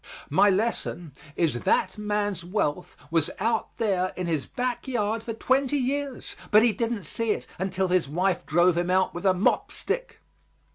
My lesson is that man's wealth was out there in his back yard for twenty years, but he didn't see it until his wife drove him out with a mop stick.